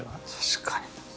確かに。